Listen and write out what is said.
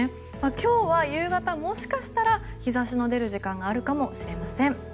今日は、夕方もしかしたら日差しの出る時間があるかもしれません。